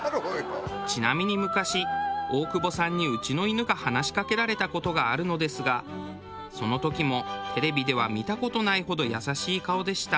ちなみに昔大久保さんにうちの犬が話しかけられた事があるのですがその時もテレビでは見た事ないほど優しい顔でした。